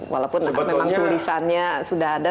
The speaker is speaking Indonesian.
walaupun memang tulisannya sudah ada